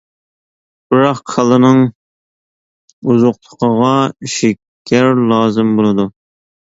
بىراق، كاللىنىڭ ئوزۇقلۇقىغا شېكەر لازىم بولىدۇ.